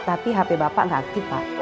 tapi hp bapak nggak aktif pak